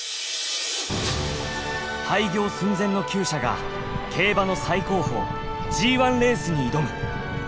廃業寸前のきゅう舎が競馬の最高峰ＧⅠレースに挑む！